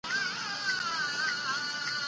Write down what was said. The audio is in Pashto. طبیعي زیرمې د افغانانو د فرهنګي پیژندنې برخه ده.